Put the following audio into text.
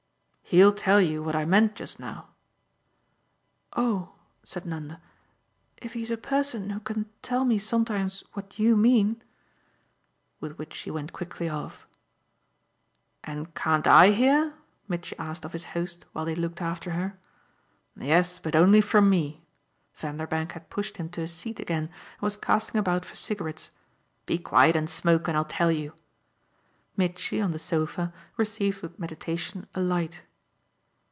"He'll tell you what I meant just now." "Oh," said Nanda, "if he's a person who can tell me sometimes what you mean !" With which she went quickly off. "And can't I hear?" Mitchy asked of his host while they looked after her. "Yes, but only from me." Vanderbank had pushed him to a seat again and was casting about for cigarettes. "Be quiet and smoke, and I'll tell you." Mitchy, on the sofa, received with meditation a light.